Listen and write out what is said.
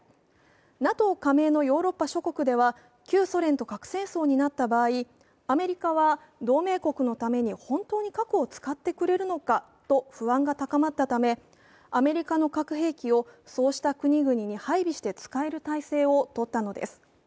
ＮＡＴＯ加盟のヨーロッパ諸国では旧ソ連と核戦争になった場合アメリカは同盟国のために本当に核を使ってくれるのかと不安が高まったためアメリカの核兵器をそうした国々に配備して使える体制を取ったのです。